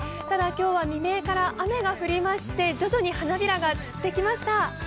ただ今日は未明から雨が降りまして、徐々に花びらが散ってきました。